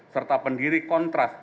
serta pendiri kontras